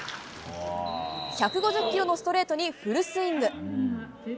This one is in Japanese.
１５０キロのストレートにフルスイング。